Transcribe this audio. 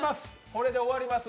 これで終わります。